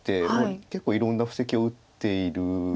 結構いろんな布石を打っている印象です。